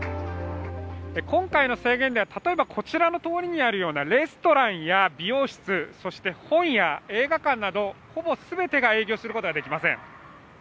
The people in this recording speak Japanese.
今回の制限では、例えばこちらの通りにあるようなレストランや美容室、そして本屋、映画館などほぼ全てが営業することができません。